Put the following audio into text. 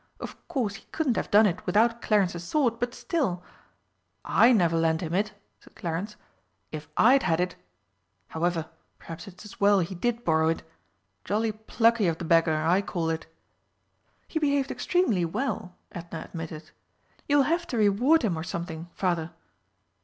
Of course he couldn't have done it without Clarence's sword, but still " "I never lent him it," said Clarence. "If I'd had it however, perhaps it's as well he did borrow it. Jolly plucky of the beggar, I call it!" "He behaved extremely well," Edna admitted. "You will have to reward him or something, Father."